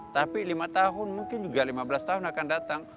tapi lima tahun mungkin juga lima belas tahun akan datang